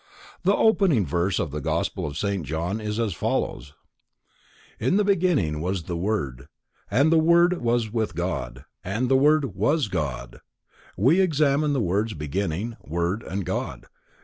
The opening verse of the gospel of St. John is as follows: "In the beginning was the Word, and the Word was with God, and the Word was God." We will examine the words: "beginning," "Word" and "God."